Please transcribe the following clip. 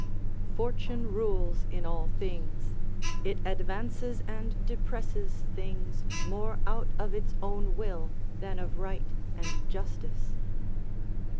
["Fortune rules in all things; it advances and depresses things more out of its own will than of right and justice."